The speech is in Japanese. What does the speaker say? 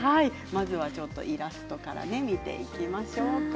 まずは、イラストから見ていきましょうか。